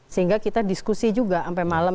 sehingga kita diskusi juga sampai malam